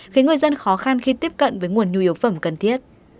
khiến người dân khó khăn khi tiếp cận với nguồn nhu yếu phẩm cần thiết